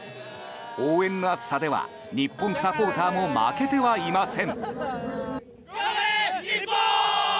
応援の熱さでは日本サポーターも負けてはいません。